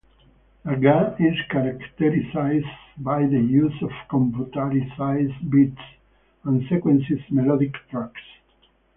Ragga is characterized by the use of computerized beats and sequenced melodic tracks.